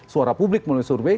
suara publik melalui survei